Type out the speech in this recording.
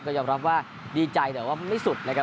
ก็ยอมรับว่าดีใจแต่ว่าไม่สุดนะครับ